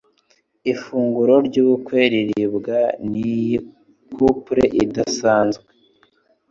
Ifunguro ryubukwe riribwa niyi couple idasanzwe